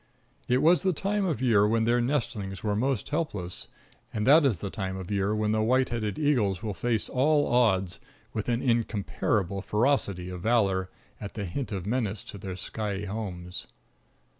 It was the time of year when their nestlings were most helpless, and that is the time of year when the white headed eagles will face all odds with an incomparable ferocity of valor at the hint of menace to their skyey homes.